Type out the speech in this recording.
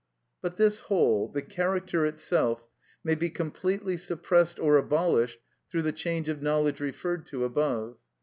But this whole, the character itself, may be completely suppressed or abolished through the change of knowledge referred to above.